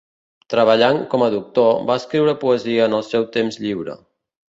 Treballant com a doctor, va escriure poesia en el seu temps lliure.